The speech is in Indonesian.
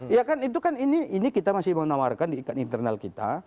ya kan itu kan ini kita masih menawarkan di ikan internal kita